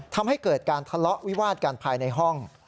ทำให้เกิดการทะเลาะวิวาดกันภายในห้อง